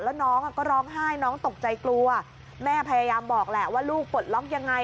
แล้วน้องก็ร้องไห้น้องตกใจกลัวแม่พยายามบอกแหละว่าลูกปลดล็อกยังไง